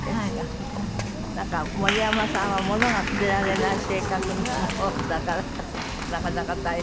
なんか森山さんは物が捨てられない性格なものだからなかなか大変？